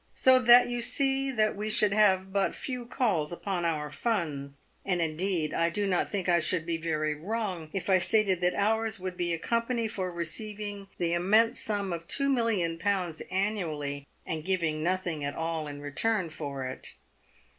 So that you see that we should have but few calls upon our funds, and indeed I do not think I should be very wrong if I stated that ours would be a company for receiving the immense sum of two millions of pounds annually and giving no thing at all in return for it.